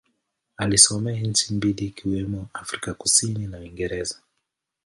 Alisomea nchi mbili ikiwemo Afrika Kusini na Uingereza.